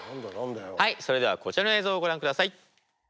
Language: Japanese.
はいそれではこちらの映像をご覧ください。